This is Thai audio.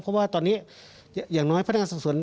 เพราะว่าตอนนี้อย่างน้อยพนักงานสอบสวน